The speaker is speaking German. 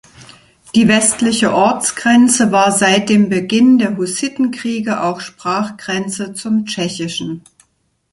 Die westliche Ortsgrenze war seit dem Beginn der Hussitenkriege auch Sprachgrenze zum Tschechischen.